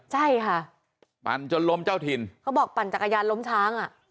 ใช่ค่ะปั่นจนล้มเจ้าถิ่นเขาบอกปั่นจักรยานล้มช้างอ่ะ